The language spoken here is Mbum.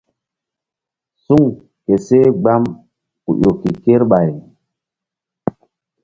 Suŋ ke seh gbam ku ƴo ke kerɓay.